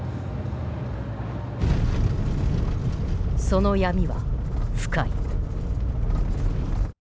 その闇は深い。